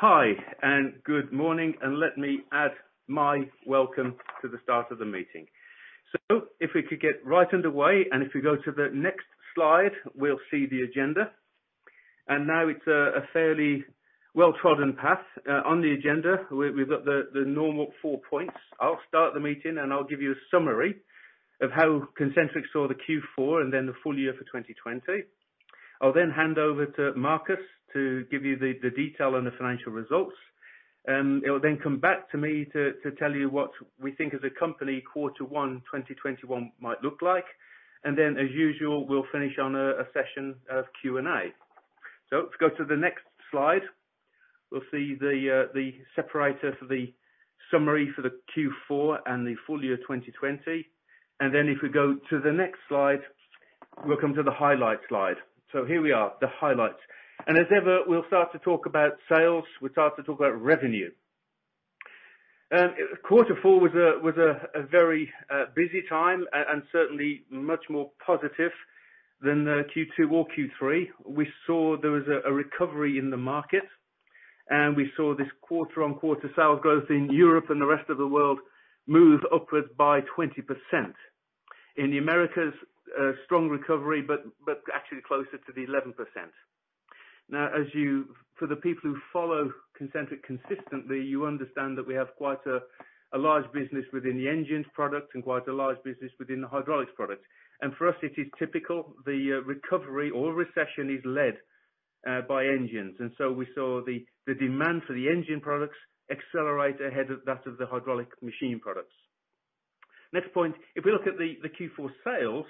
Hi. Good morning. Let me add my welcome to the start of the meeting. If we could get right underway. If we go to the next slide, we'll see the agenda. Now it's a fairly well-trodden path. On the agenda, we've got the normal four points. I'll start the meeting. I'll give you a summary of how Concentric saw the Q4 and then the full year for 2020. I'll then hand over to Marcus to give you the detail on the financial results. It will then come back to me to tell you what we think as a company Q1 2021 might look like. As usual, we'll finish on a session of Q&A. Let's go to the next slide. We'll see the section for the summary for the Q4 and the full year 2020. If we go to the next slide, we'll come to the highlight slide. Here we are, the highlights. As ever, we'll start to talk about sales, we'll start to talk about revenue. Q4 was a very busy time and certainly much more positive than the Q2 or Q3. We saw there was a recovery in the market, and we saw this quarter-on-quarter sales growth in Europe and the rest of the world move upwards by 20%. In the Americas, strong recovery, but actually closer to the 11%. For the people who follow Concentric consistently, you understand that we have quite a large business within the engines product and quite a large business within the hydraulics product. For us, it is typical. The recovery or recession is led by engines. We saw the demand for the engine products accelerate ahead of that of the hydraulic machine products. Next point, if we look at the Q4 sales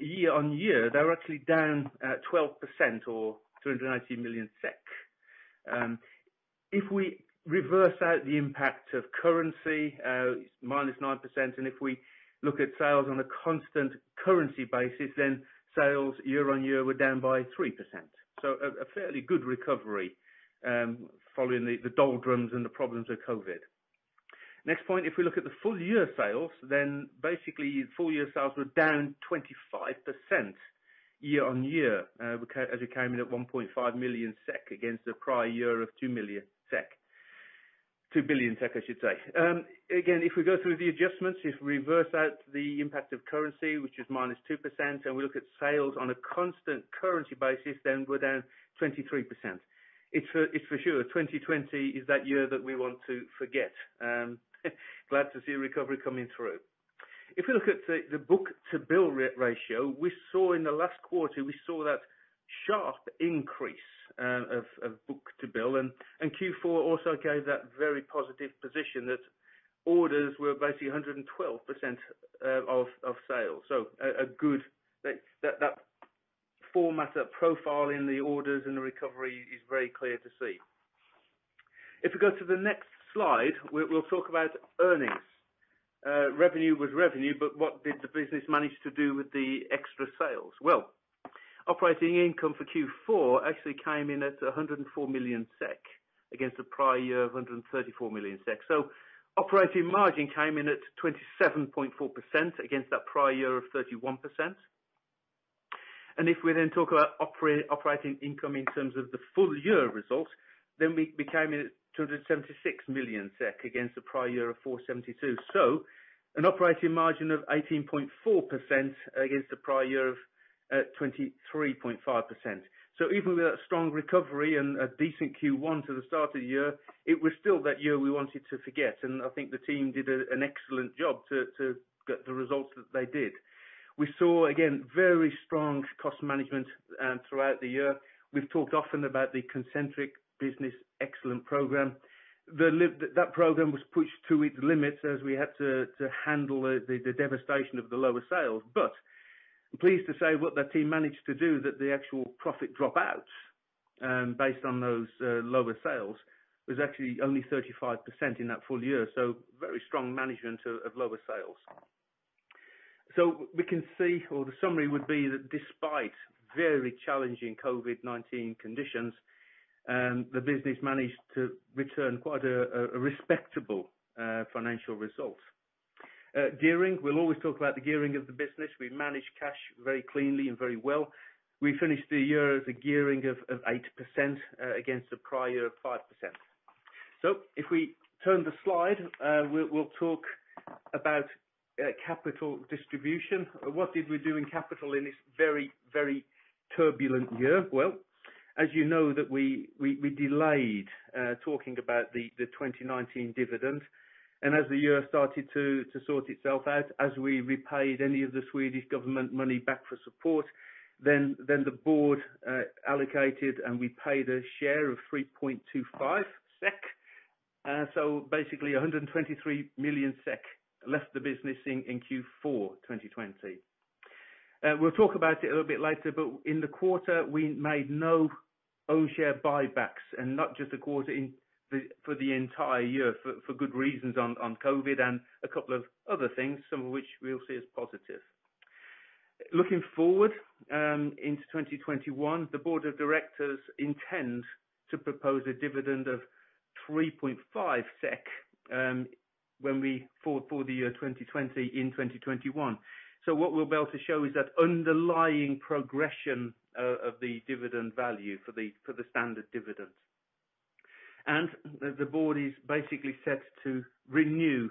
year-on-year, they were actually down 12% or 290 million SEK. If we reverse out the impact of currency, minus 9%, and if we look at sales on a constant currency basis, sales year-on-year were down by 3%. A fairly good recovery following the doldrums and the problems with COVID-19. Next point, if we look at the full year sales, then basically full year sales were down 25% year-on-year as we came in at 1.5 million SEK against the prior year of 2 million SEK. 2 billion SEK, I should say. If we go through the adjustments, if we reverse out the impact of currency, which is -2%, and we look at sales on a constant currency basis, we're down 23%. It's for sure, 2020 is that year that we want to forget. Glad to see a recovery coming through. If we look at the book-to-bill ratio, we saw in the last quarter, we saw that sharp increase of book-to-bill and Q4 also gave that very positive position that orders were basically 112% of sales. That format, that profile in the orders and the recovery is very clear to see. If we go to the next slide, we'll talk about earnings. Revenue was revenue, what did the business manage to do with the extra sales? Operating income for Q4 actually came in at 104 million SEK against the prior year of 134 million SEK. Operating margin came in at 27.4% against that prior year of 31%. If we talk about operating income in terms of the full year results, we came in at 276 million SEK against the prior year of 472 million. An operating margin of 18.4% against the prior year of 23.5%. Even with that strong recovery and a decent Q1 to the start of the year, it was still that year we wanted to forget. I think the team did an excellent job to get the results that they did. We saw, again, very strong cost management throughout the year. We've talked often about the Concentric Business Excellence program. That program was pushed to its limits as we had to handle the devastation of the lower sales. I'm pleased to say what the team managed to do, that the actual profit dropouts based on those lower sales was actually only 35% in that full year. Very strong management of lower sales. We can see or the summary would be that despite very challenging COVID-19 conditions, the business managed to return quite a respectable financial result. Gearing. We'll always talk about the gearing of the business. We manage cash very cleanly and very well. We finished the year as a gearing of 8% against the prior year of 5%. If we turn the slide, we'll talk about capital distribution. What did we do in capital in this very, very turbulent year? Well, as you know that we delayed talking about the 2019 dividend, as the year started to sort itself out, as we repaid any of the Swedish government money back for support, the board allocated, and we paid a share of 3.25 SEK. Basically 123 million SEK left the business in Q4 2020. We'll talk about it a little bit later, in the quarter, we made no own share buybacks, not just the quarter, for the entire year for good reasons on COVID and a couple of other things, some of which we'll see as positive. Looking forward into 2021, the board of directors intend to propose a dividend of 3.5 SEK for the year 2020 in 2021. What we'll be able to show is that underlying progression of the dividend value for the standard dividend. The board is basically set to renew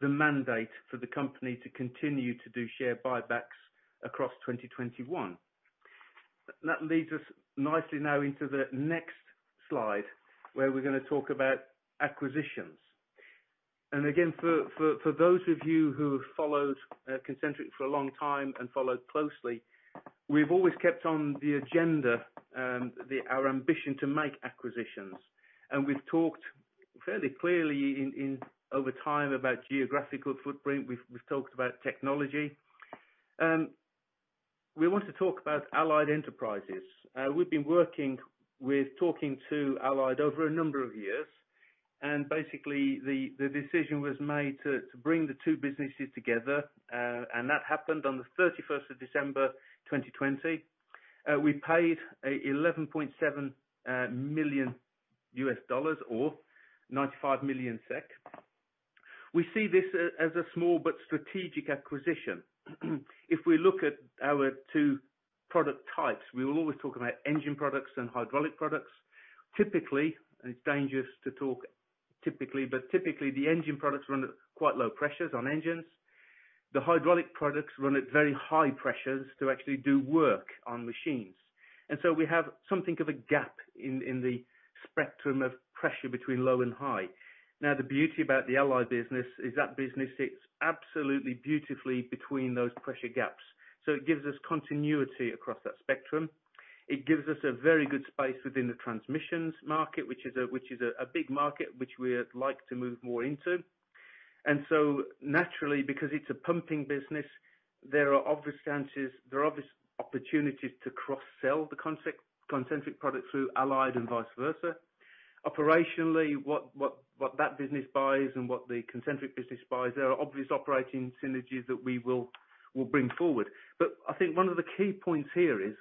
the mandate for the company to continue to do share buybacks across 2021. That leads us nicely now into the next slide, where we're going to talk about acquisitions. Again, for those of you who have followed Concentric for a long time and followed closely, we've always kept on the agenda our ambition to make acquisitions. We've talked fairly clearly over time about geographical footprint. We've talked about technology. We want to talk about Allied Enterprises. We've been working with talking to Allied over a number of years, and basically the decision was made to bring the two businesses together. That happened on the December 31st, 2020. We paid $11.7 million or 95 million SEK. We see this as a small but strategic acquisition. If we look at our two product types, we will always talk about engine products and hydraulic products. Typically, it's dangerous to talk typically the engine products run at quite low pressures on engines. The hydraulic products run at very high pressures to actually do work on machines. We have something of a gap in the spectrum of pressure between low and high. Now, the beauty about the Allied business is that business sits absolutely beautifully between those pressure gaps. It gives us continuity across that spectrum. It gives us a very good space within the transmissions market, which is a big market which we'd like to move more into. Naturally, because it's a pumping business, there are obvious opportunities to cross-sell the Concentric product through Allied and vice versa. Operationally, what that business buys and what the Concentric business buys, there are obvious operating synergies that we will bring forward. I think one of the key points here is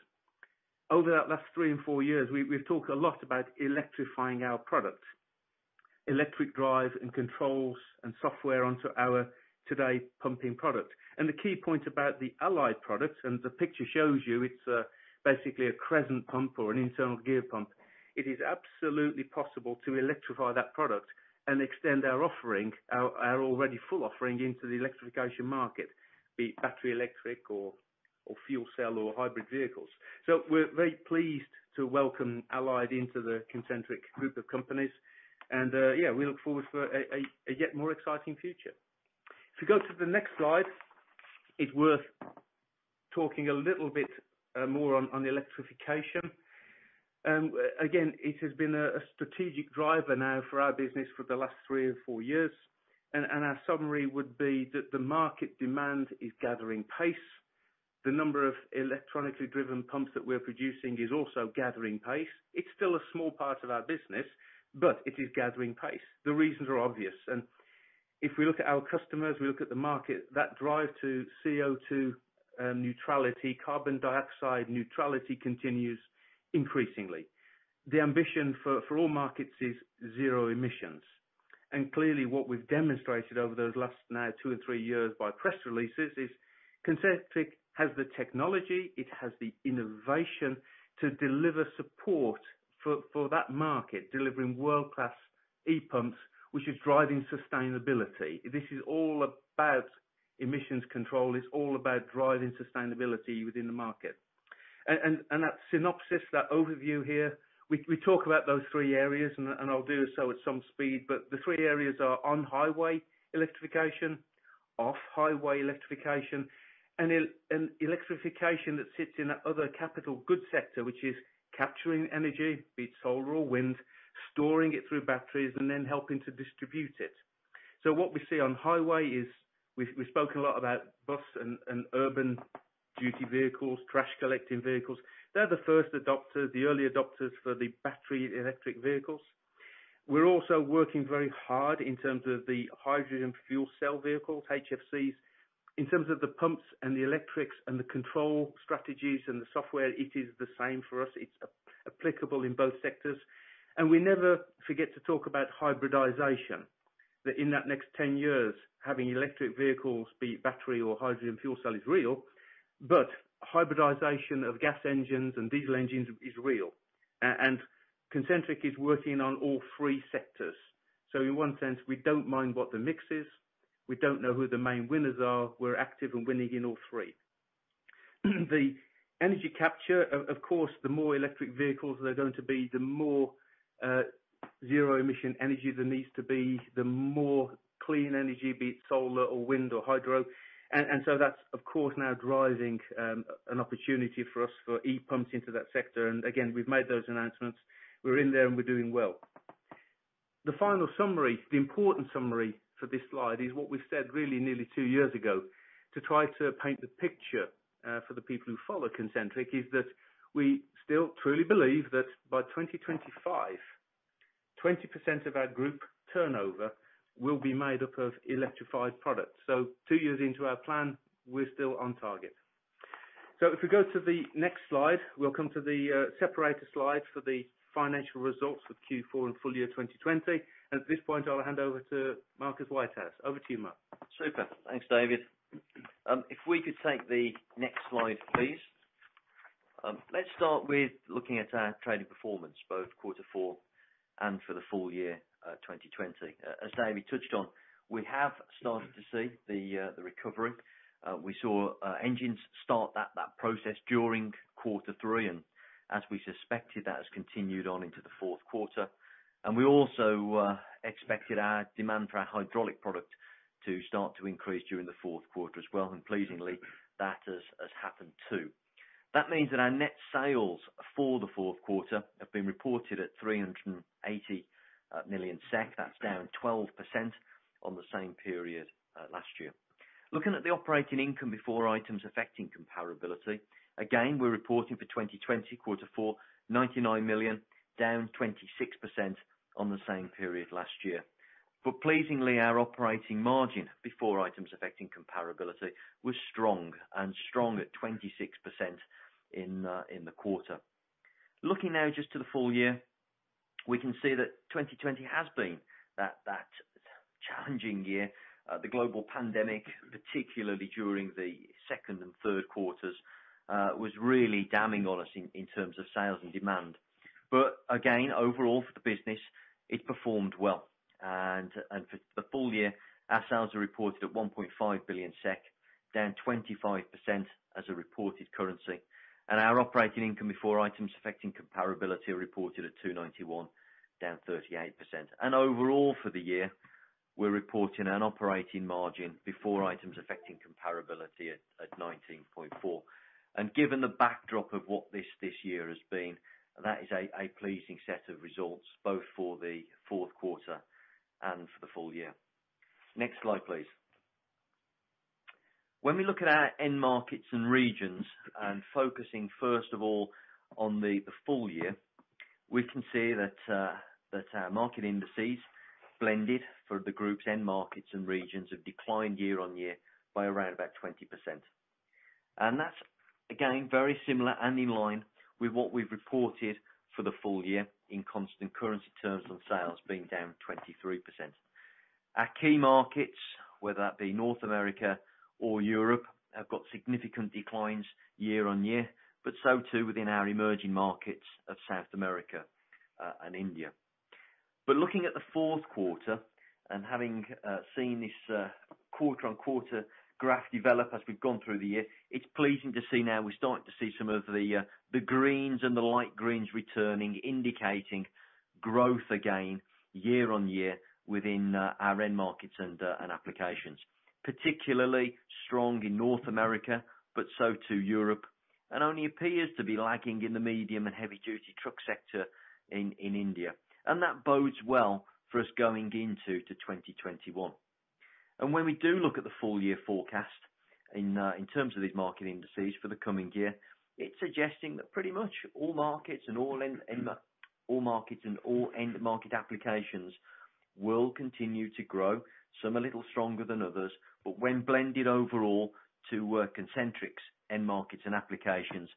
over that last three and four years, we've talked a lot about electrifying our products. Electric drive and controls and software onto our today pumping product. The key point about the Allied product, and the picture shows you, it's basically a crescent pump or an internal gear pump. It is absolutely possible to electrify that product and extend our offering, our already full offering into the electrification market, be it battery electric or fuel cell or hybrid vehicles. We're very pleased to welcome Allied into the Concentric group of companies. Yeah, we look forward for a yet more exciting future. If you go to the next slide, it's worth talking a little bit more on the electrification. It has been a strategic driver now for our business for the last three or four years. Our summary would be that the market demand is gathering pace. The number of electronically driven pumps that we are producing is also gathering pace. It's still a small part of our business, but it is gathering pace. The reasons are obvious. If we look at our customers, we look at the market, that drive to CO2 neutrality, carbon dioxide neutrality continues increasingly. The ambition for all markets is zero emissions. Clearly what we've demonstrated over those last now two or three years by press releases is Concentric has the technology, it has the innovation to deliver support for that market, delivering world-class ePumps, which is driving sustainability. This is all about emissions control. It's all about driving sustainability within the market. That synopsis, that overview here, we talk about those three areas, and I'll do so at some speed, the three areas are on-highway electrification, off-highway electrification, and electrification that sits in that other capital goods sector, which is capturing energy, be it solar or wind, storing it through batteries, and then helping to distribute it. What we see on highway is we spoke a lot about bus and urban duty vehicles, trash collecting vehicles. They're the first adopters, the early adopters for the battery electric vehicles. We're also working very hard in terms of the hydrogen fuel cell vehicles, HFCVs. In terms of the pumps and the electrics and the control strategies and the software, it is the same for us. It's applicable in both sectors. We never forget to talk about hybridization. In that next 10 years, having electric vehicles be it battery or hydrogen fuel cell is real, but hybridization of gas engines and diesel engines is real. Concentric is working on all three sectors. In one sense, we don't mind what the mix is. We don't know who the main winners are. We're active and winning in all three. The energy capture, of course, the more electric vehicles there are going to be, the more zero emission energy there needs to be, the more clean energy, be it solar or wind or hydro. That's of course now driving an opportunity for us for ePumps into that sector. Again, we've made those announcements. We're in there and we're doing well. The final summary, the important summary for this slide is what we've said really nearly two years ago, to try to paint the picture for the people who follow Concentric, is that we still truly believe that by 2025, 20% of our group turnover will be made up of electrified products. Two years into our plan, we're still on target. If we go to the next slide, we'll come to the separator slide for the financial results for Q4 and full year 2020. At this point, I'll hand over to Marcus Whitehouse. Over to you, Marc. Super. Thanks, David. If we could take the next slide, please. Let's start with looking at our trading performance, both Q4 and for the full year 2020. As David touched on, we have started to see the recovery. We saw engines start that process during Q3, and as we suspected, that has continued on into the Q4. We also expected our demand for our hydraulic product to start to increase during the Q4 as well. Pleasingly, that has happened, too. That means that our net sales for the Q4 have been reported at 380 million SEK. That's down 12% on the same period last year. Looking at the operating income before items affecting comparability, again, we're reporting for 2020 Q4, sek 99 million, down 26% on the same period last year. Pleasingly, our operating margin before items affecting comparability was strong, and strong at 26% in the quarter. Looking now just to the full year, we can see that 2020 has been that challenging year. The global pandemic, particularly during the second and Q3s, was really damning on us in terms of sales and demand. Again, overall for the business, it performed well. For the full year, our sales are reported at 1.5 billion SEK, down 25% as a reported currency. Our operating income before items affecting comparability are reported at 291 million, down 38%. Overall for the year, we're reporting an operating margin before items affecting comparability at 19.4%. Given the backdrop of what this year has been, that is a pleasing set of results, both for the Q4 and for the full year. Next slide, please. When we look at our end markets and regions and focusing first of all on the full year, we can see that our market indices blended for the group's end markets and regions have declined year-on-year by around about 20%. That's, again, very similar and in line with what we've reported for the full year in constant currency terms on sales being down 23%. Our key markets, whether that be North America or Europe, have got significant declines year-on-year, so too within our emerging markets of South America and India. Looking at the Q4 and having seen this quarter-on-quarter graph develop as we've gone through the year, it's pleasing to see now we're starting to see some of the greens and the light greens returning, indicating growth again year-on-year within our end markets and applications. Particularly strong in North America, but so too Europe, and only appears to be lagging in the medium and heavy-duty truck sector in India. That bodes well for us going into 2021. When we do look at the full-year forecast in terms of these market indices for the coming year, it's suggesting that pretty much all markets and all end market applications will continue to grow, some a little stronger than others. When blended overall to Concentric's end markets and applications,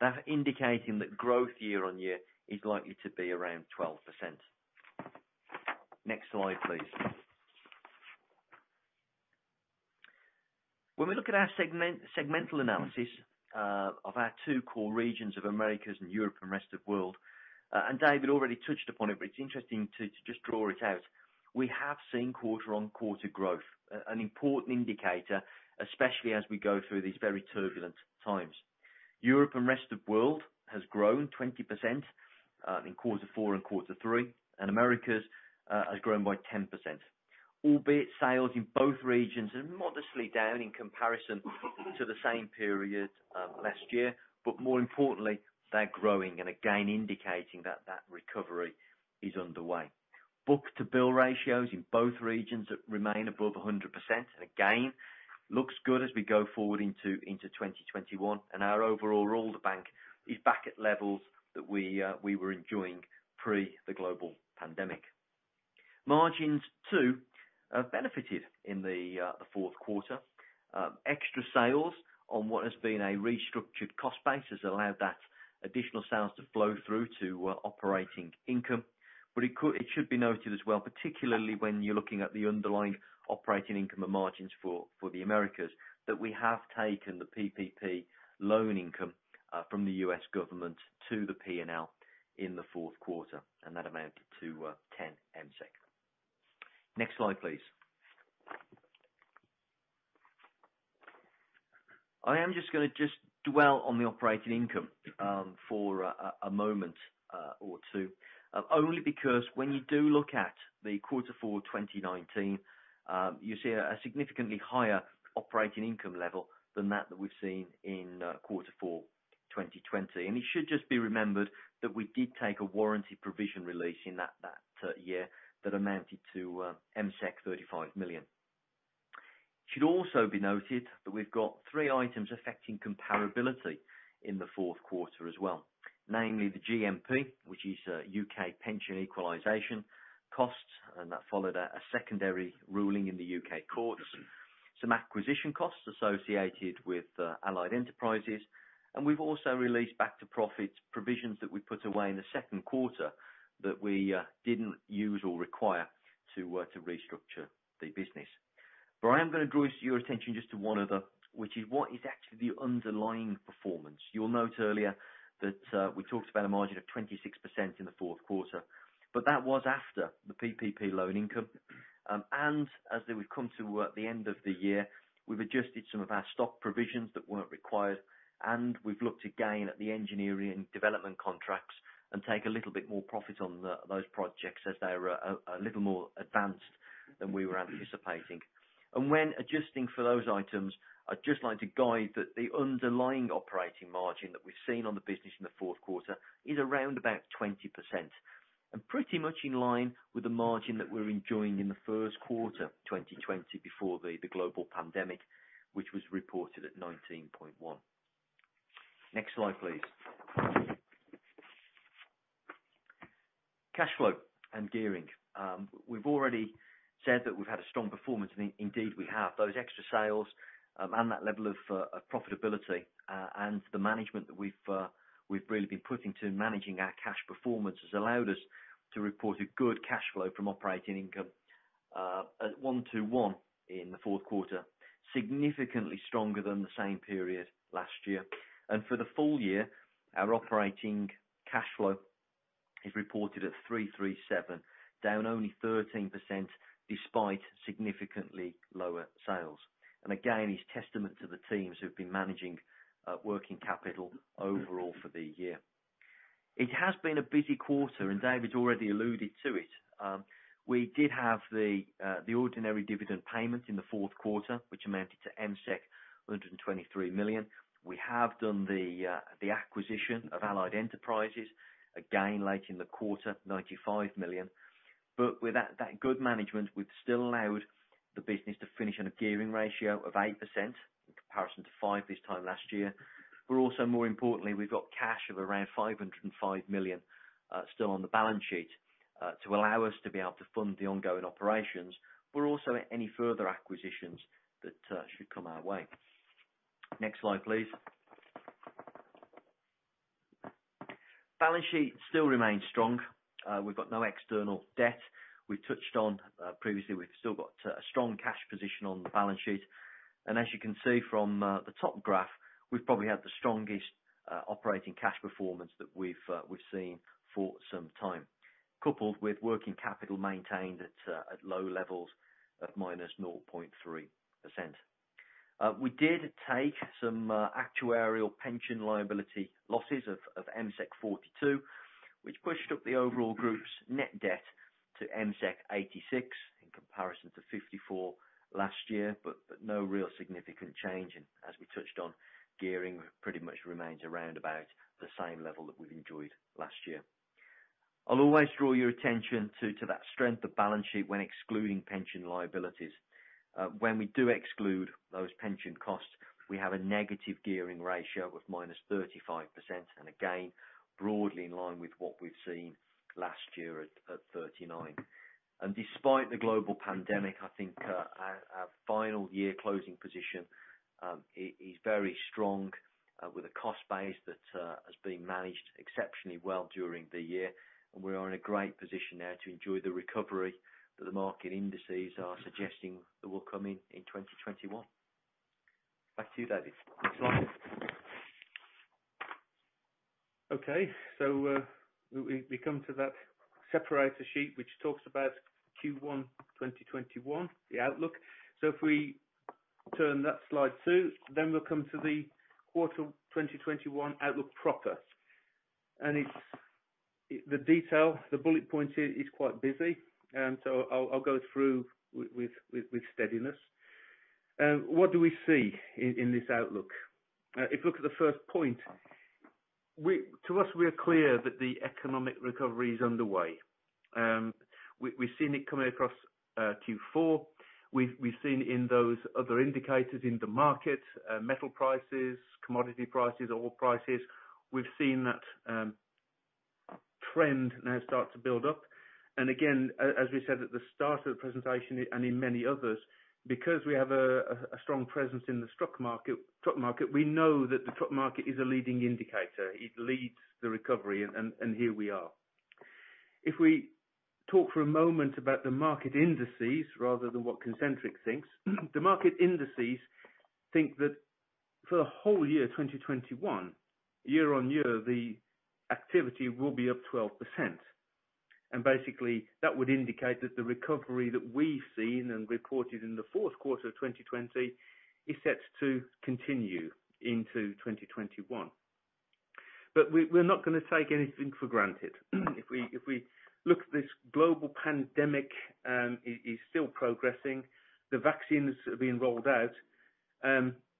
that indicating that growth year-over-year is likely to be around 12%. Next slide, please. When we look at our segmental analysis of our two core regions of Americas and Europe and Rest of World, and David already touched upon it, but it's interesting to just draw it out. We have seen quarter-on-quarter growth, an important indicator, especially as we go through these very turbulent times. Europe and Rest of World has grown 20% in Q4 and Q3. Americas has grown by 10%, albeit sales in both regions are modestly down in comparison to the same period last year. More importantly, they're growing and again indicating that recovery is underway. book-to-bill ratios in both regions remain above 100%. Again, looks good as we go forward into 2021. Our overall order bank is back at levels that we were enjoying pre the global pandemic. Margins too have benefited in the Q4. Extra sales on what has been a restructured cost base has allowed that additional sales to flow through to operating income. It should be noted as well, particularly when you're looking at the underlying operating income and margins for the Americas, that we have taken the PPP loan income from the U.S. government to the P&L in the Q4, and that amounted to 10 million. Next slide, please. I am just going to dwell on the operating income for a moment or two. Only because when you do look at the Q4 2019, you see a significantly higher operating income level than that that we've seen in Q4 2020. It should just be remembered that we did take a warranty provision release in that year that amounted to 35 million. It should also be noted that we've got three items affecting comparability in the Q4 as well, namely the GMP, which is a U.K. pension equalization cost, and that followed a secondary ruling in the U.K. courts, some acquisition costs associated with Allied Enterprises, and we've also released back to profit provisions that we put away in the Q2 that we didn't use or require to restructure the business. I am going to draw your attention just to one other, which is what is actually the underlying performance. You will note earlier that we talked about a margin of 26% in the Q4, but that was after the PPP loan income. As we've come to the end of the year, we've adjusted some of our stock provisions that weren't required, we've looked again at the engineering development contracts and take a little bit more profit on those projects as they are a little more advanced than we were anticipating. When adjusting for those items, I'd just like to guide that the underlying operating margin that we've seen on the business in the Q4 is around about 20%, pretty much in line with the margin that we were enjoying in the Q1, 2020, before the global pandemic, which was reported at 19.1%. Next slide, please. Cash flow and gearing. We've already said that we've had a strong performance, indeed we have. Those extra sales and that level of profitability, and the management that we've really been putting to managing our cash performance has allowed us to report a good cash flow from operating income at 121 in the Q4, significantly stronger than the same period last year. For the full year, our operating cash flow is reported at 337, down only 13%, despite significantly lower sales. Again, it's testament to the teams who've been managing working capital overall for the year. It has been a busy quarter, and David's already alluded to it. We did have the ordinary dividend payment in the Q4, which amounted to MSEK 123 million. We have done the acquisition of Allied Enterprises, again late in the quarter, 95 million. With that good management, we've still allowed the business to finish on a gearing ratio of 8% in comparison to 5% this time last year. We're also more importantly, we've got cash of around 505 million still on the balance sheet to allow us to be able to fund the ongoing operations. We're also at any further acquisitions that should come our way. Next slide, please. Balance sheet still remains strong. We've got no external debt. We touched on previously, we've still got a strong cash position on the balance sheet. As you can see from the top graph, we've probably had the strongest operating cash performance that we've seen for some time, coupled with working capital maintained at low levels of minus 0.3%. We did take some actuarial pension liability losses of MSEK 42, which pushed up the overall group's net debt to MSEK 86 in comparison to 54 last year. No real significant change. As we touched on, gearing pretty much remains around about the same level that we've enjoyed last year. I'll always draw your attention to that strength of balance sheet when excluding pension liabilities. When we do exclude those pension costs, we have a negative gearing ratio of -35%, and again, broadly in line with what we've seen last year at 39%. Despite the global pandemic, I think our final year closing position is very strong with a cost base that has been managed exceptionally well during the year, and we are in a great position now to enjoy the recovery that the market indices are suggesting that will come in in 2021. Back to you, David. Next slide. Okay. We come to that separator sheet, which talks about Q1 2021, the outlook. If we turn that slide too, then we'll come to the Q1 2021 outlook proper. The detail, the bullet points here is quite busy. I'll go through with steadiness. What do we see in this outlook? If you look at the first point, to us, we are clear that the economic recovery is underway. We've seen it coming across Q4. We've seen in those other indicators in the market, metal prices, commodity prices, oil prices. We've seen that trend now start to build up. Again, as we said at the start of the presentation and in many others, because we have a strong presence in the stock market, we know that the stock market is a leading indicator. It leads the recovery, and here we are. If we talk for a moment about the market indices rather than what Concentric thinks, the market indices think that for the whole year 2021, year-on-year, the activity will be up 12%. Basically, that would indicate that the recovery that we've seen and reported in the Q4 of 2020 is set to continue into 2021. We're not going to take anything for granted. If we look at this global pandemic is still progressing. The vaccines are being rolled out,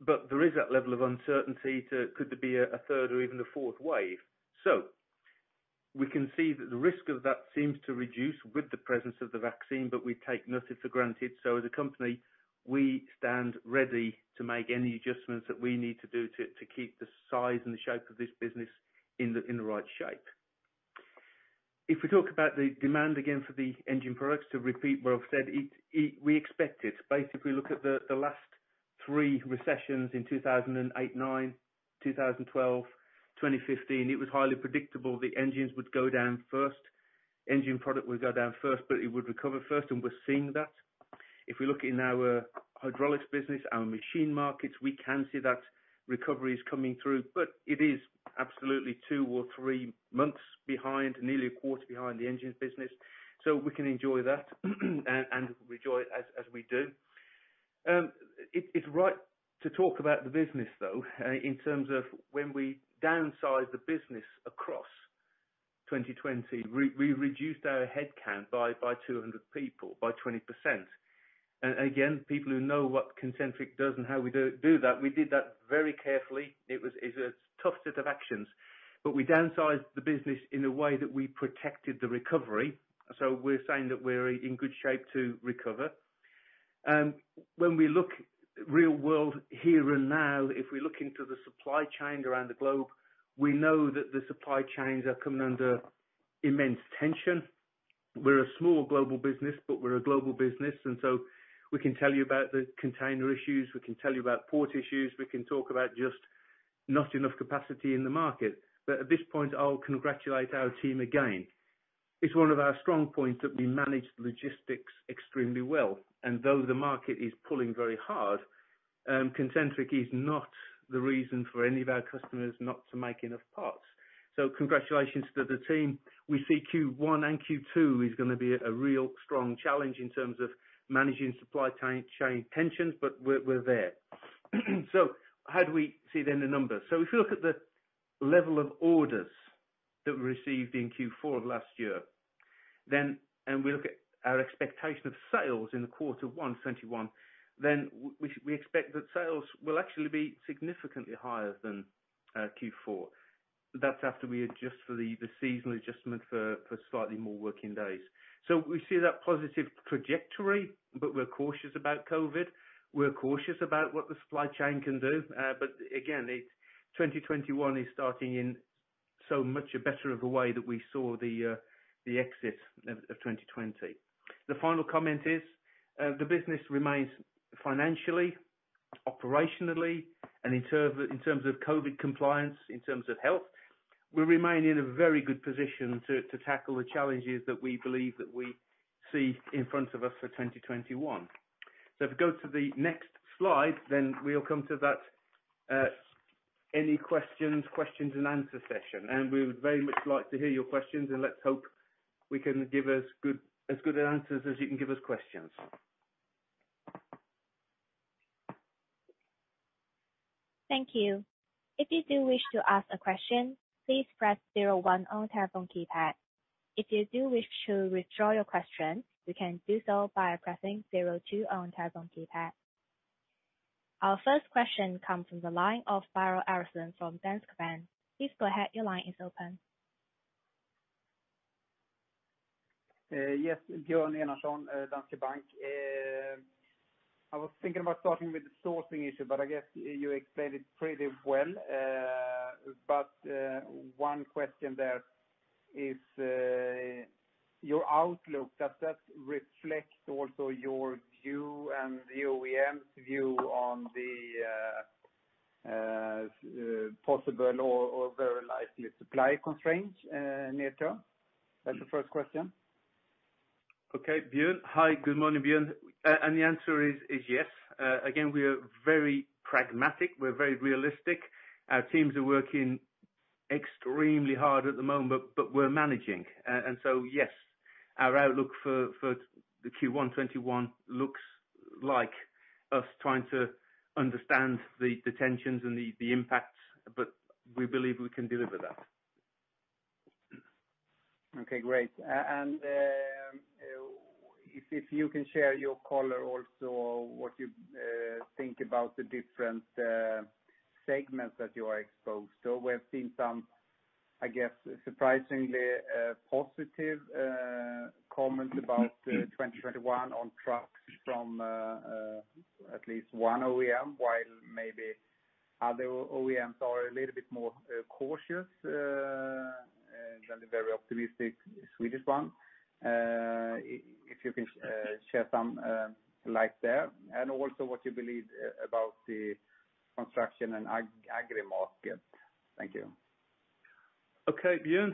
but there is that level of uncertainty to could there be a third or even a fourth wave? We can see that the risk of that seems to reduce with the presence of the vaccine, we take nothing for granted. As a company, we stand ready to make any adjustments that we need to do to keep the size and the shape of this business in the right shape. If we talk about the demand again for the engine products, to repeat what I've said, we expect it. Basically, look at the last three recessions in 2008, 2009, 2012, 2015. It was highly predictable. The engines would go down first. Engine product would go down first, but it would recover first, and we're seeing that. If we look in our hydraulics business, our machine markets, we can see that recovery is coming through. It is absolutely two or three months behind, nearly a quarter behind the engines business. We can enjoy that and rejoice as we do. It's right to talk about the business, though, in terms of when we downsized the business across 2020. We reduced our headcount by 200 people, by 20%. Again, people who know what Concentric does and how we do that, we did that very carefully. It's a tough set of actions. We downsized the business in a way that we protected the recovery. We're saying that we're in good shape to recover. When we look real world here and now, if we look into the supply chain around the globe, we know that the supply chains are coming under immense tension. We're a small global business, but we're a global business. We can tell you about the container issues, we can tell you about port issues, we can talk about just not enough capacity in the market. At this point, I'll congratulate our team again. It's one of our strong points that we manage logistics extremely well. Though the market is pulling very hard, Concentric is not the reason for any of our customers not to make enough parts. Congratulations to the team. We see Q1 and Q2 is going to be a real strong challenge in terms of managing supply chain tensions, but we're there. How do we see then the numbers? If you look at the level of orders that we received in Q4 of last year, and we look at our expectation of sales in Q1 2021, then we expect that sales will actually be significantly higher than Q4. That's after we adjust for the seasonal adjustment for slightly more working days. We see that positive trajectory, but we're cautious about COVID. We're cautious about what the supply chain can do. Again, 2021 is starting in so much a better of a way that we saw the exit of 2020. The final comment is, the business remains financially, operationally, and in terms of COVID compliance, in terms of health, we remain in a very good position to tackle the challenges that we believe that we see in front of us for 2021. If we go to the next slide, then we'll come to that any questions and answer session. We would very much like to hear your questions and let's hope we can give as good an answer as you can give us questions. Our first question comes from the line of Björn Enarson from Danske Bank. Please go ahead. Your line is open. Yes. Björn Enarson, Danske Bank. I was thinking about starting with the sourcing issue, but I guess you explained it pretty well. One question there is, your outlook, does that reflect also your view and the OEM's view on the possible or very likely supply constraints near term? That's the first question. Okay, Björn. Hi. Good morning, Björn. The answer is yes. Again, we are very pragmatic. We're very realistic. Our teams are working extremely hard at the moment, but we're managing. Yes, our outlook for the Q1 2021 looks like us trying to understand the tensions and the impact, but we believe we can deliver that. Okay, great. If you can share your color also, what you think about the different segments that you are exposed to. We've seen some, I guess, surprisingly positive comments about 2021 on trucks from at least one OEM, while maybe other OEMs are a little bit more cautious than the very optimistic Swedish one. If you can share some light there. Also what you believe about the construction and agri market. Thank you. Okay, Björn.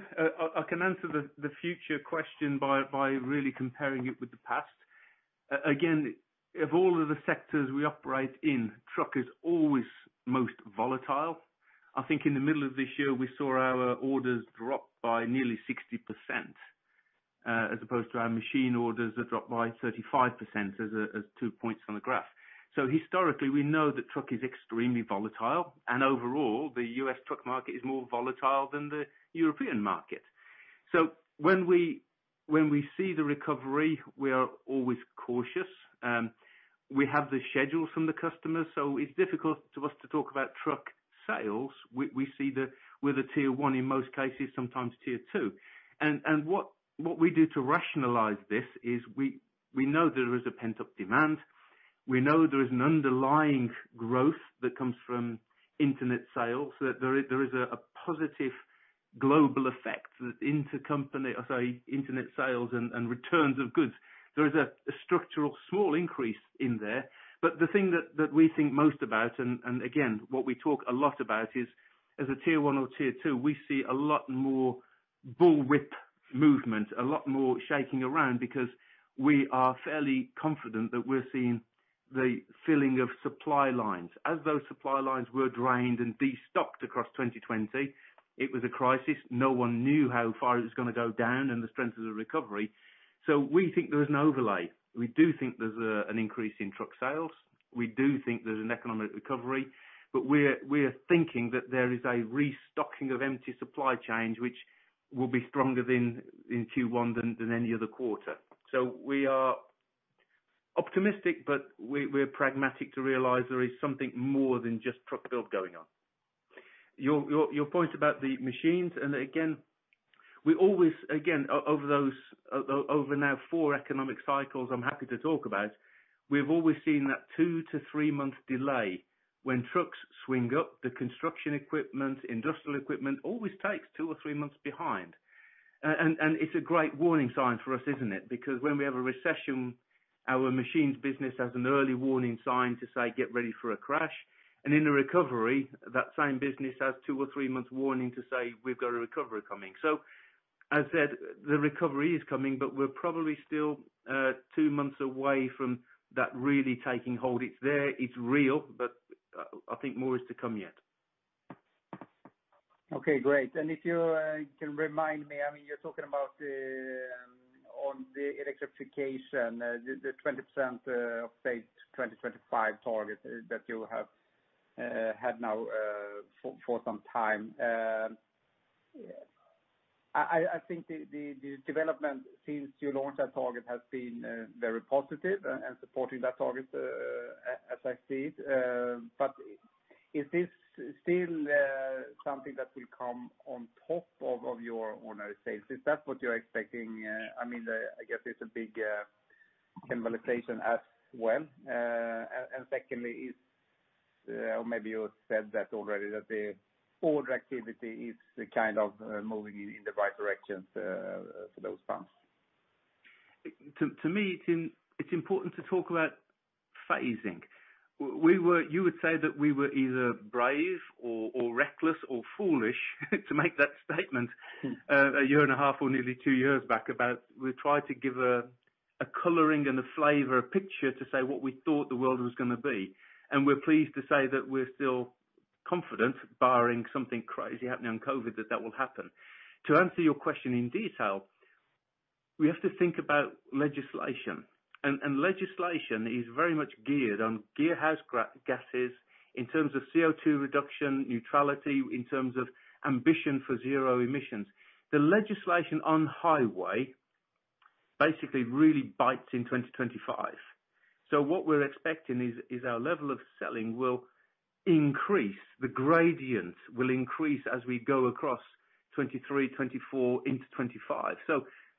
I can answer the future question by really comparing it with the past. Of all of the sectors we operate in, truck is always most volatile. I think in the middle of this year, we saw our orders drop by nearly 60%, as opposed to our machine orders that dropped by 35% as two points on the graph. Historically, we know that truck is extremely volatile, and overall, the U.S. truck market is more volatile than the European market. When we see the recovery, we are always cautious. We have the schedules from the customers, it's difficult to us to talk about truck sales. We're the Tier 1 in most cases, sometimes Tier 2. What we do to rationalize this is we know there is a pent-up demand. We know there is an underlying growth that comes from internet sales. There is a positive global effect that internet sales and returns of goods, there is a structural small increase in there. The thing that we think most about, and again, what we talk a lot about is, as a Tier 1 or Tier 2, we see a lot more bullwhip movement, a lot more shaking around, because we are fairly confident that we're seeing the filling of supply lines. As those supply lines were drained and de-stocked across 2020, it was a crisis. No one knew how far it was going to go down and the strength of the recovery. We think there is an overlay. We do think there's an increase in truck sales. We do think there's an economic recovery. We're thinking that there is a restocking of empty supply chains, which will be stronger in Q1 than any other quarter. We are optimistic, but we're pragmatic to realize there is something more than just truck build going on. Your point about the machines, over now four economic cycles, I'm happy to talk about, we've always seen that two to three-month delay when trucks swing up the construction equipment, industrial equipment, always takes two or three months behind. It's a great warning sign for us, isn't it? Because when we have a recession, our machines business has an early warning sign to say, "Get ready for a crash." In a recovery, that same business has two or three months warning to say, "We've got a recovery coming." As I said, the recovery is coming, but we're probably still two months away from that really taking hold. It's there, it's real, but I think more is to come yet. Okay, great. If you can remind me, you're talking about on the electrification, the 20% of state 2025 target that you have had now for some time. I think the development since you launched that target has been very positive and supporting that target, as I see it. Is this still something that will come on top of your ordinary sales? Is that what you're expecting? I guess it's a big cannibalization as well. Secondly, or maybe you said that already, that the order activity is kind of moving in the right direction for those pumps. To me, it's important to talk about phasing. You would say that we were either brave or reckless or foolish to make that statement a year and a half or nearly two years back about we tried to give a coloring and a flavor, a picture to say what we thought the world was going to be. We're pleased to say that we're still confident, barring something crazy happening on COVID-19, that that will happen. To answer your question in detail, we have to think about legislation. Legislation is very much geared on greenhouse gases, in terms of CO2 reduction, neutrality, in terms of ambition for zero emissions. The legislation on highway basically really bites in 2025. What we're expecting is our level of selling will increase. The gradient will increase as we go across 2023, 2024 into 2025.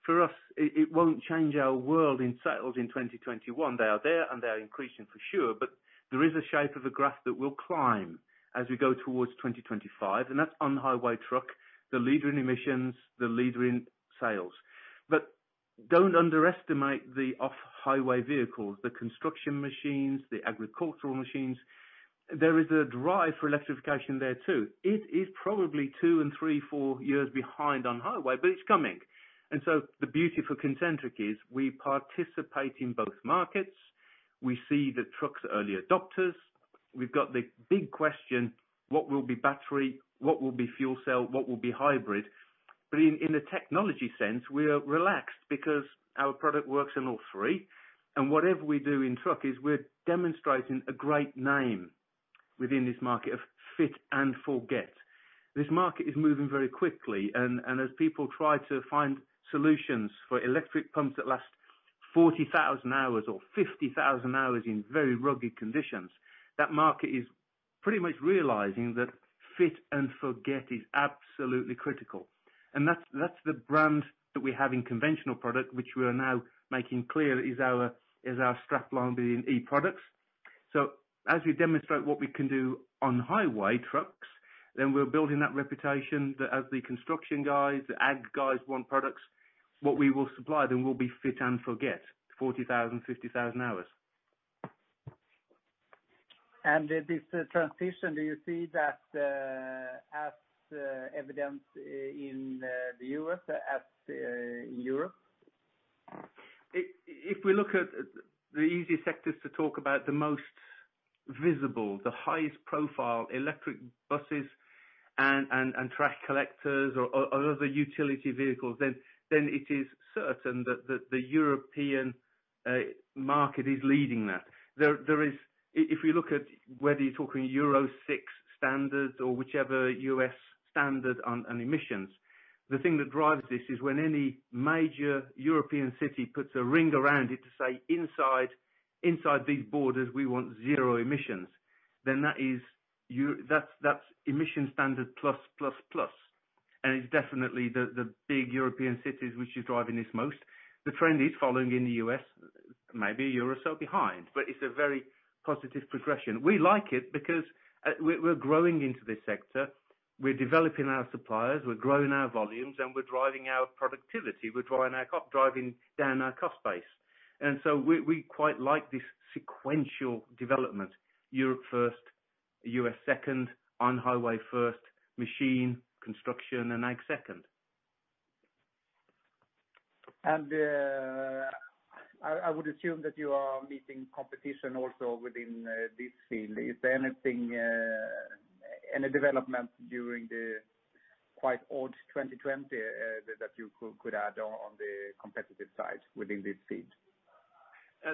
For us, it won't change our world in sales in 2021. They are there and they're increasing for sure, but there is a shape of a graph that will climb as we go towards 2025, and that's on-highway truck, the leader in emissions, the leader in sales. Don't underestimate the off-highway vehicles, the construction machines, the agricultural machines. There is a drive for electrification there too. It is probably two and three, four years behind on highway, but it's coming. The beauty for Concentric is we participate in both markets. We see the trucks are early adopters. We've got the big question, what will be battery? What will be fuel cell? What will be hybrid? In the technology sense, we are relaxed because our product works on all three. Whatever we do in truck is we're demonstrating a great name within this market of fit and forget. This market is moving very quickly, and as people try to find solutions for electric pumps that last 40,000 hours or 50,000 hours in very rugged conditions, that market is pretty much realizing that fit and forget is absolutely critical. That's the brand that we have in conventional product, which we are now making clear is our strapline being e-products. As we demonstrate what we can do on highway trucks, then we're building that reputation that as the construction guys, the ad guys want products, what we will supply them will be fit and forget, 40,000, 50,000 hours. This transition, do you see that as evidence in the U.S. as in Europe? If we look at the easiest sectors to talk about, the most visible, the highest profile electric buses and trash collectors or other utility vehicles, then it is certain that the European market is leading that. If we look at whether you're talking Euro 6 standards or whichever U.S. standard on emissions, the thing that drives this is when any major European city puts a ring around it to say, "Inside these borders, we want zero emissions," then that's emission standard plus, plus, and it's definitely the big European cities which are driving this most. The trend is following in the U.S., maybe a year or so behind, but it's a very positive progression. We like it because we're growing into this sector. We're developing our suppliers, we're growing our volumes, and we're driving our productivity. We're driving down our cost base. We quite like this sequential development. Europe first, U.S. second. On-highway, first. Machine, construction, and ag second. I would assume that you are meeting competition also within this field. Is there any development during the quite odd 2020 that you could add on the competitive side within this field?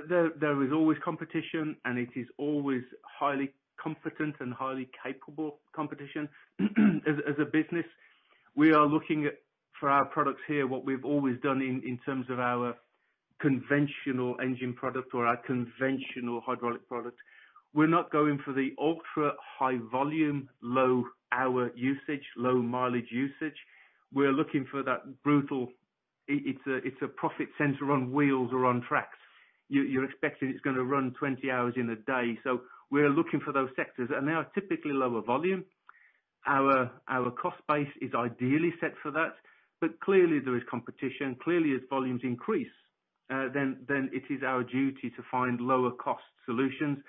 There is always competition, and it is always highly competent and highly capable competition. As a business, we are looking at, for our products here, what we've always done in terms of our conventional engine product or our conventional hydraulic product. We're not going for the ultra-high volume, low hour usage, low mileage usage. We're looking for that brutal It's a profit center on wheels or on tracks. You're expecting it's going to run 20 hours in a day. We're looking for those sectors, and they are typically lower volume. Our cost base is ideally set for that, but clearly there is competition. Clearly as volumes increase, it is our duty to find lower cost solutions.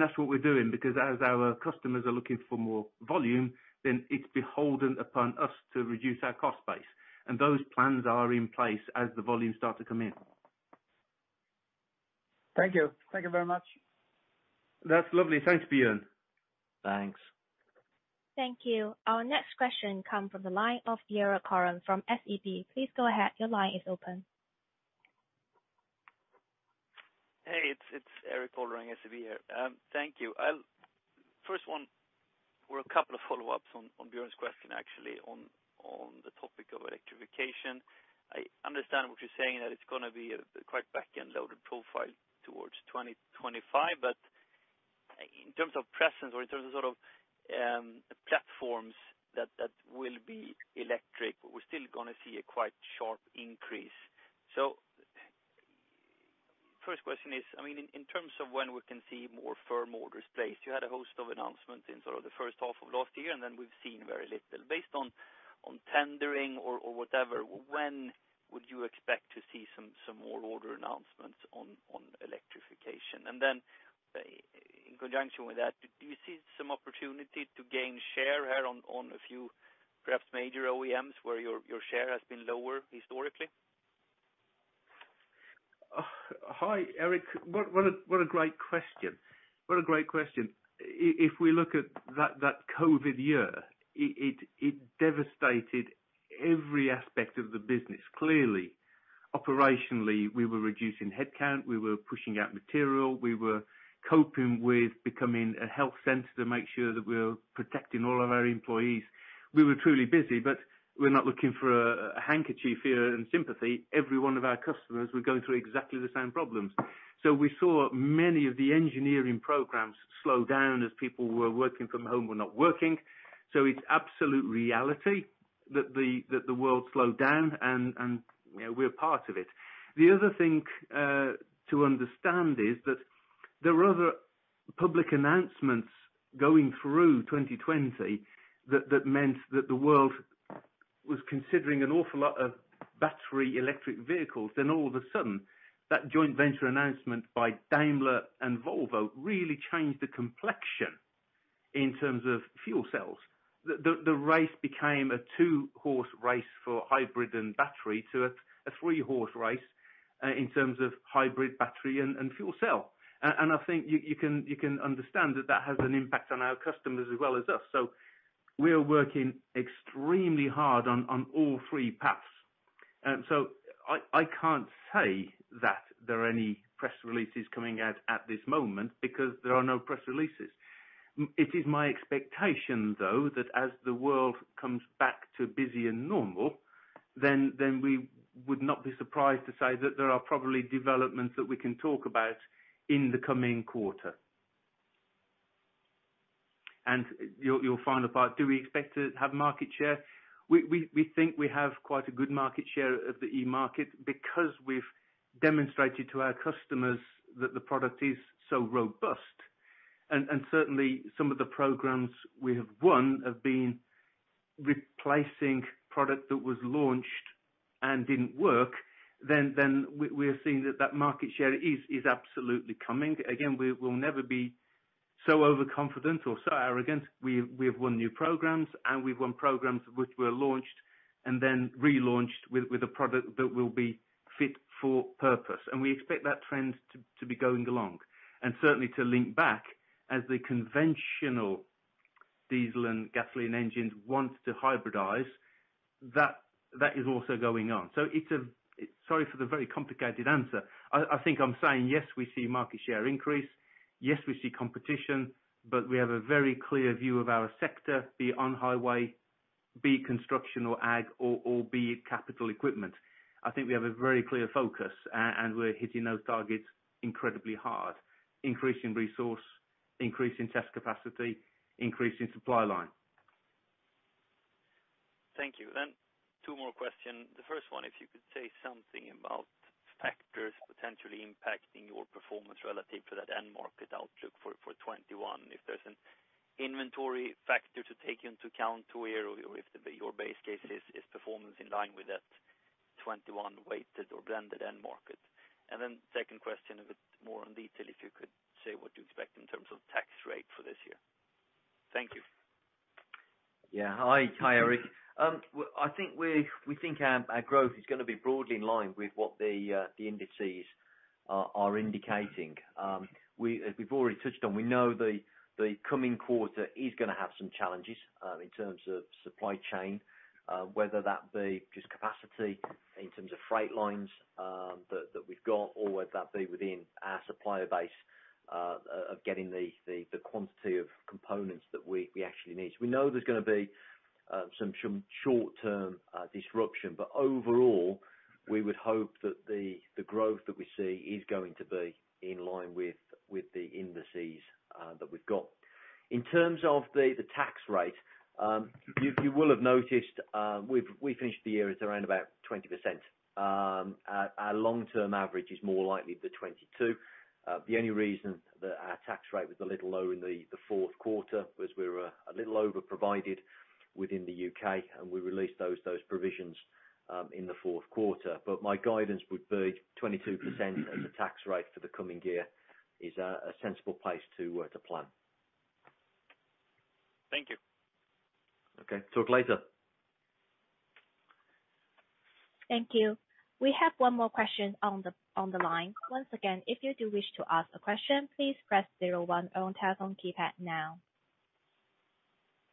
That's what we're doing because as our customers are looking for more volume, it's beholden upon us to reduce our cost base. Those plans are in place as the volumes start to come in. Thank you. Thank you very much. That's lovely. Thanks, Björn. Thanks. Thank you. Our next question come from the line of Eric Horan from SEB. Please go ahead. Your line is open. Hey, it's Eric Horan, SEB here. Thank you. First one, or a couple of follow-ups on Björn's question actually on the topic of electrification. In terms of presence or in terms of platforms that will be electric, we're still going to see a quite sharp increase. First question is, in terms of when we can see more firm orders placed, you had a host of announcements in sort of the H1 of last year, and then we've seen very little. Based on tendering or whatever, when would you expect to see some more order announcements on electrification? In conjunction with that, do you see some opportunity to gain share here on a few perhaps major OEMs where your share has been lower historically? Hi, Eric. What a great question. If we look at that COVID year, it devastated every aspect of the business. Clearly, operationally, we were reducing headcount, we were pushing out material, we were coping with becoming a health center to make sure that we're protecting all of our employees. We were truly busy, but we're not looking for a handkerchief here and sympathy. Every one of our customers were going through exactly the same problems. We saw many of the engineering programs slow down as people who were working from home were not working. it's absolute reality that the world slowed down, and we're part of it. The other thing to understand is that there were other public announcements going through 2020 that meant that the world was considering an awful lot of battery electric vehicles. All of a sudden, that joint venture announcement by Daimler and Volvo really changed the complexion in terms of fuel cells. The race became a two-horse race for hybrid and battery to a three-horse race in terms of hybrid, battery, and fuel cell. I think you can understand that that has an impact on our customers as well as us. We are working extremely hard on all three paths. I can't say that there are any press releases coming out at this moment because there are no press releases. It is my expectation, though, that as the world comes back to busy and normal, then we would not be surprised to say that there are probably developments that we can talk about in the coming quarter. Your final part, do we expect to have market share? We think we have quite a good market share of the e-market because we've demonstrated to our customers that the product is so robust. Certainly, some of the programs we have won have been replacing product that was launched and didn't work, then we are seeing that that market share is absolutely coming. Again, we will never be so overconfident or so arrogant. We have won new programs and we've won programs which were launched and then relaunched with a product that will be fit for purpose. We expect that trend to be going along. Certainly to link back as the conventional Diesel and gasoline engines want to hybridize. That is also going on. Sorry for the very complicated answer. I think I'm saying, yes, we see market share increase. Yes, we see competition, but we have a very clear view of our sector, be it on highway, be it construction or ag, or be it capital equipment. I think we have a very clear focus and we're hitting those targets incredibly hard, increasing resource, increasing test capacity, increasing supply line. Thank you. Two more questions. The first one, if you could say something about factors potentially impacting your performance relative to that end market outlook for 2021, if there's an inventory factor to take into account where your base case is performance in line with that 2021 weighted or blended end market. Second question with more detail, if you could say what you expect in terms of tax rate for this year. Thank you. Yeah. Hi, Eric. We think our growth is going to be broadly in line with what the indices are indicating. As we've already touched on, we know the coming quarter is going to have some challenges in terms of supply chain, whether that be just capacity in terms of freight lines that we've got or whether that be within our supplier base of getting the quantity of components that we actually need. We know there's going to be some short-term disruption. Overall, we would hope that the growth that we see is going to be in line with the indices that we've got. In terms of the tax rate, you will have noticed we finished the year at around about 20%. Our long-term average is more likely the 22%. The only reason that our tax rate was a little low in the Q4 was we were a little over-provided within the U.K. We released those provisions in the Q4. My guidance would be 22% as a tax rate for the coming year is a sensible place to plan. Thank you. Okay. Talk later. Thank you. We have one more question on the line. Once again, if you do wish to ask a question, please press zero one on telephone keypad now.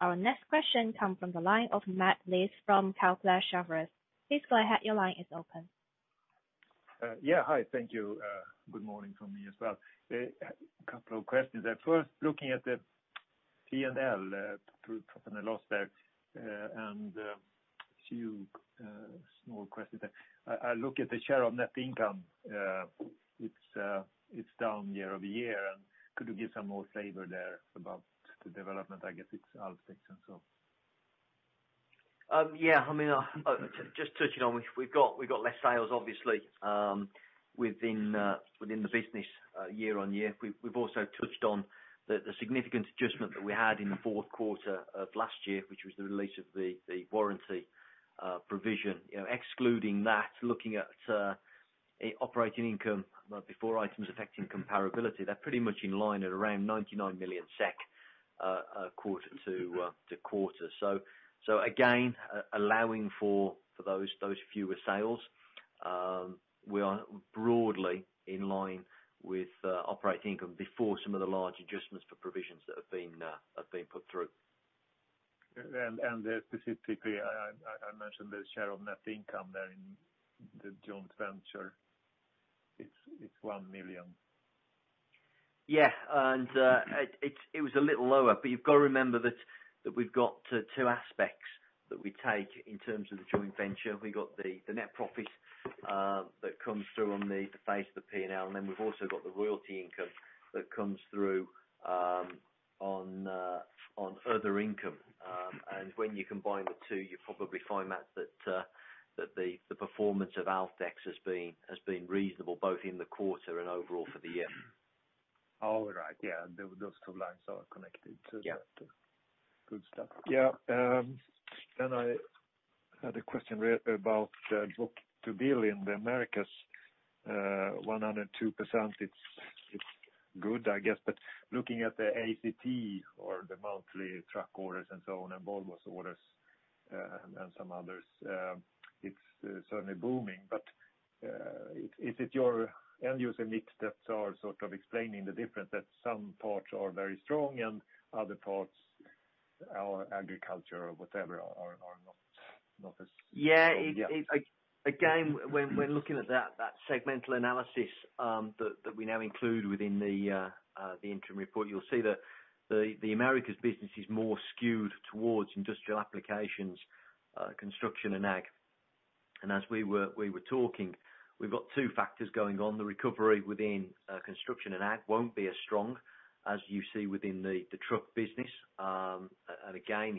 Our next question comes from the line of Mats Liss from Kepler Cheuvreux. Please go ahead, your line is open. Yeah. Hi. Thank you. Good morning from me as well. A couple of questions there. First, looking at the P&L profit and loss there, a few small questions there. I look at the share of net income, it's down year-over-year. Could you give some more flavor there about the development? I guess it's Alfdex and so on. Yeah. Just touching on, we've got less sales obviously within the business year-over-year. We've also touched on the significant adjustment that we had in the Q4 of last year, which was the release of the warranty provision. Excluding that, looking at operating income before items affecting comparability, they're pretty much in line at around 99 million SEK quarter-over-quarter. Again, allowing for those fewer sales, we are broadly in line with operating income before some of the large adjustments for provisions that have been put through. Specifically, I mentioned the share of net income there in the joint venture. It's SEK 1 million. Yeah. It was a little lower. You've got to remember that we've got two aspects that we take in terms of the joint venture. We got the net profit that comes through on the face of the P&L, we've also got the royalty income that comes through on further income. When you combine the two, you probably find out that the performance of Alfex has been reasonable, both in the quarter and overall for the year. All right. Yeah. Those two lines are connected to that. Yeah. Good stuff. Yeah. I had a question about the book-to-bill in the Americas. 102%, it's good, I guess, but looking at the ACT or the monthly truck orders and so on, and Volvo's orders and some others, it's certainly booming, but is it your end user mix that are sort of explaining the difference that some parts are very strong and other parts, our agriculture or whatever, are not as strong yet? When we're looking at that segmental analysis that we now include within the interim report, you'll see that the Americas business is more skewed towards industrial applications, construction, and ag. As we were talking, we've got two factors going on. The recovery within construction and ag won't be as strong as you see within the truck business.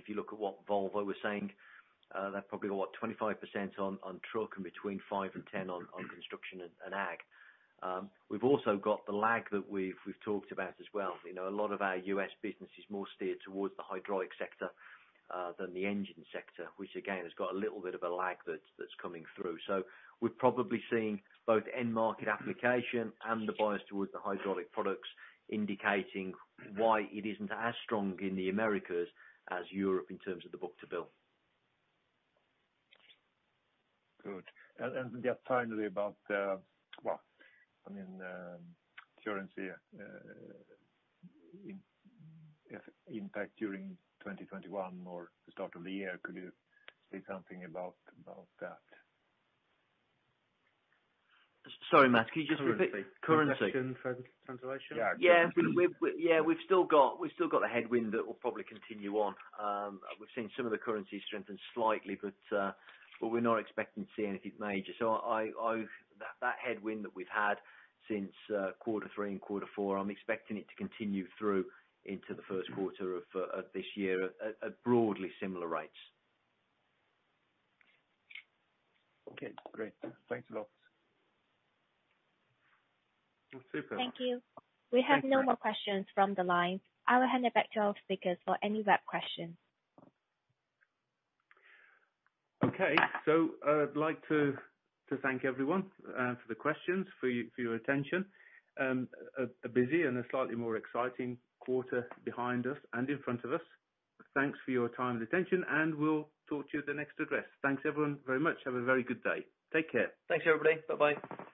If you look at what Volvo was saying, they're probably got 25% on truck and between 5% and 10% on construction and ag. We've also got the lag that we've talked about as well. A lot of our U.S. business is more steered towards the hydraulic sector than the engine sector, which again has got a little bit of a lag that's coming through. We're probably seeing both end market application and the bias towards the hydraulic products indicating why it isn't as strong in the Americas as Europe in terms of the book-to-bill. Good. Just finally about the currency impact during 2021 or the start of the year, could you say something about that? Sorry, Matt, could you just repeat? Currency. Currency. The question for translation? Yeah. We've still got a headwind that will probably continue on. We've seen some of the currency strengthen slightly, but we're not expecting to see anything major. That headwind that we've had since Q3 and Q4, I'm expecting it to continue through into the Q1 of this year at broadly similar rates. Okay, great. Thanks a lot. Thank you. We have no more questions from the line. I will hand it back to our speakers for any wrap questions. Okay. I'd like to thank everyone for the questions, for your attention. A busy and a slightly more exciting quarter behind us and in front of us. Thanks for your time and attention, and we'll talk to you at the next address. Thanks everyone very much. Have a very good day. Take care. Thanks, everybody. Bye-bye.